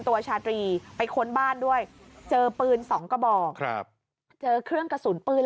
ชาตรีไปค้นบ้านด้วยเจอปืน๒กระบอกครับเจอเครื่องกระสุนปืน